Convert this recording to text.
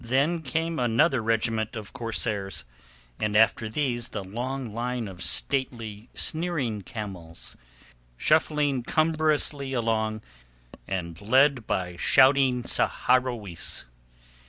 Then marched another regiment of corsairs, and after these the long line of stately, sneering camels, shuffling cumbrously along and led by shouting Saharowis.